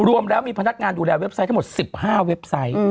รวมแล้วมีพนักงานดูแลเว็บไซต์ทั้งหมด๑๕เว็บไซต์